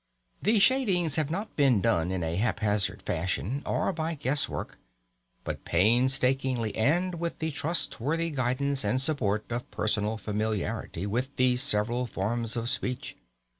The shadings have not been done in a haphazard fashion, or by guesswork; but painstakingly, and with the trustworthy guidance and support of personal familiarity with these several forms of speech.